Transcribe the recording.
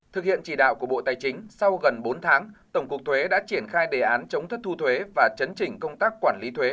thực hiện chỉ đạo của bộ tài chính sau gần bốn tháng tổng cục thuế đã triển khai đề án chống thất thu thuế và chấn chỉnh công tác quản lý thuế